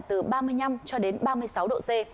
từ ba mươi năm cho đến ba mươi sáu độ c